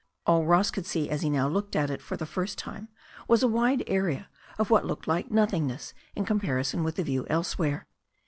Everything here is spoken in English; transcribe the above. All Ross could see as he now looked at it for the first time was a wide area of what looked like nothingness in comparison with the view elsewhere.